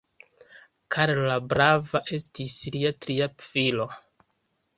Karlo la Brava estis lia tria filo.